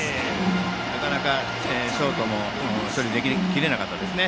なかなかショートも処理し切れなかったですね。